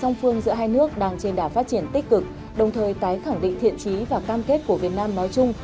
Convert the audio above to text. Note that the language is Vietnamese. song phương giữa hai nước đang trên đà phát triển tích cực đồng thời tái khẳng định thiện trí và cam kết của việt nam nói chung